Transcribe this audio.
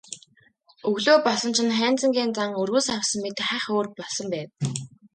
Өглөө болсон чинь Хайнзангийн зан өргөс авсан мэт хахь өөр болсон байв.